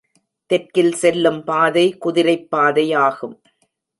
தெற்கில் செல்லும் பாதை குதிரைப் பாதையாகும்.